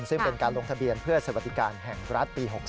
ซึ่งเป็นการลงทะเบียนเพื่อสวัสดิการแห่งรัฐปี๖๒